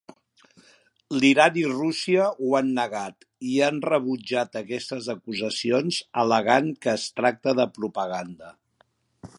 L'Iran i Rússia ho han negat i han rebutjat aquestes acusacions al·legant que es tracta de propaganda.